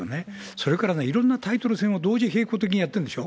それからね、いろんなタイトル戦を同時並行的にやってるんですよ。